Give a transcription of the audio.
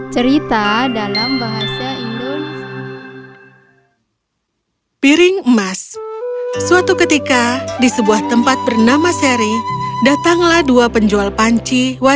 cerita dalam bahasa indonesia